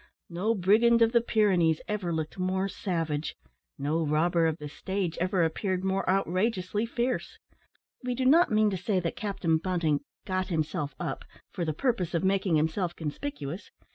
No brigand of the Pyrenees ever looked more savage no robber of the stage ever appeared more outrageously fierce. We do not mean to say that Captain Bunting "got himself up" for the purpose of making himself conspicuous.